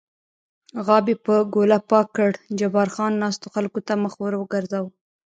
غاب یې په ګوله پاک کړ، جبار خان ناستو خلکو ته مخ ور وګرځاوه.